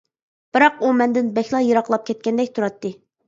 بىراق ئۇ مەندىن بەكلا يىراقلاپ كەتكەندەك تۇراتتى.